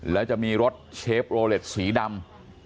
แล้วจะมีรถเชฟโรเล็ตสีดำ